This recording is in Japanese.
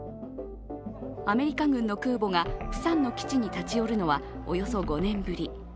アメリカ軍の空母がプサンの基地に立ち寄るのはおよそ５年ぶり